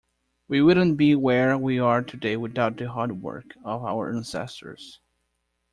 We wouldn't be where we are today without the hard work of our ancestors.